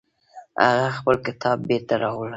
هغې خپل کتاب بیرته راوړ